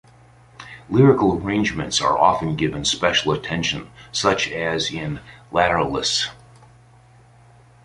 Lyrical arrangements are often given special attention, such as in "Lateralus".